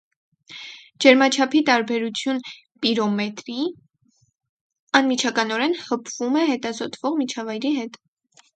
Ջերմաչափի տարբերություն պիրոմետրի, անմիջականորեն հպվում է հետազոտվող միջավայրի հետ։